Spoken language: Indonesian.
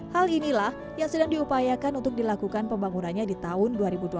hal inilah yang sedang diupayakan untuk dilakukan pembangunannya di tahun dua ribu dua puluh